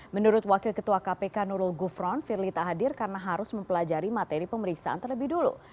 menurut wakil ketua kpk nurul gufron firly tak hadir karena harus mempelajari materi pemeriksaan terlebih dulu